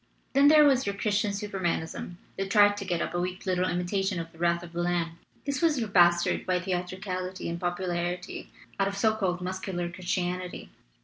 "Then there was your Christian Supermanism that tried to get up a weak little imitation of the wrath of the Lamb. This was your bastard by theatricality and popularity out of so called mus cular Christianity.